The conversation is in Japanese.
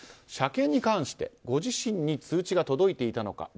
車検に関してご自身に通知が届いていたのか？